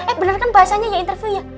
eh bener kan bahasanya ya interviewnya